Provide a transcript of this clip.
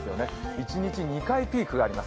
一日２回、ピークがあります。